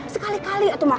sekali kali atau berbeda